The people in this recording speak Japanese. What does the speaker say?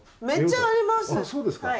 めっちゃあります！